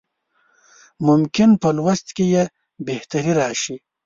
ممکن په لوست کې یې بهتري راشي.